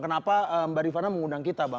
kenapa mbak rifana mengundang kita bang